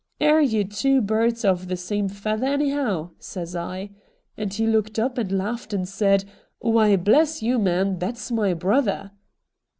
'*' Air you two birds of the same feather anyhow ?" says I. And he looked up and laughed and said, "Why, bless you, man, that's my brother